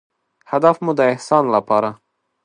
هدف مو د احسان لپاره